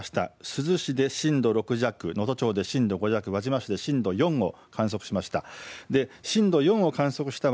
珠洲市で震度６弱、能登町で震度５弱、輪島市で震度４を観測しました。